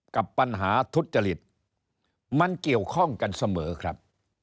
กับปัญหาทุจริตมันเกี่ยวข้องกันเสมอครับ